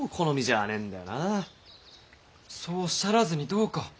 そうおっしゃらずにどうか。